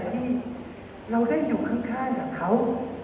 ที่เราได้อยู่ข้างกับเขา